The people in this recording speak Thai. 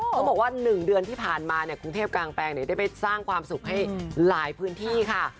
เขาบอกว่า๑เดือนที่ผ่านมาเนี่ยกรุงเทพกางแปลงได้ไปสร้างความสุขให้หลายพื้นที่ค่ะ